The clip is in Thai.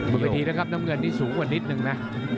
บนเวทีนะครับน้ำเงินนี่สูงกว่านิดนึงนะ